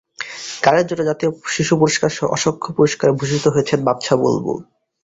গানের জন্য জাতীয় শিশু পুরস্কারসহ অসংখ্য পুরস্কারে ভূষিত হয়েছেন বাদশা বুলবুল।